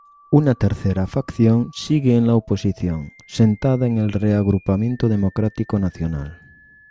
Una tercera facción sigue en la oposición, sentada en el Reagrupamiento Democrático Nacional.